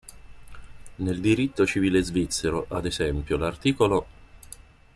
Nel diritto civile svizzero, ad esempio, l'art.